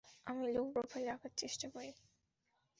আমি low profile রাখার চেষ্টা করি।